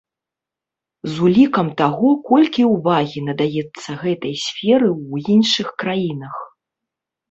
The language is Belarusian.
З улікам таго, колькі ўвагі надаецца гэтай сферы ў іншых краінах.